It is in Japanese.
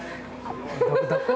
どこ？